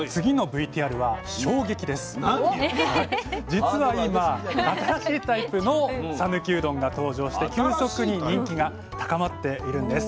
実は今新しいタイプの讃岐うどんが登場して急速に人気が高まっているんです。